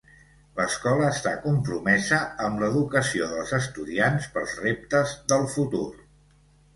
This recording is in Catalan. L'escola està compromesa amb l'educació dels estudiants pels reptes del futur.